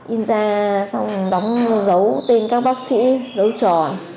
in ra xong đóng dấu tên các bác sĩ dấu tròn